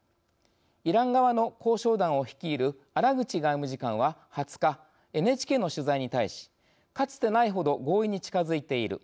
イラン側の交渉団を率いるアラグチ外務次官は２０日ＮＨＫの取材に対し「かつてないほど合意に近づいている。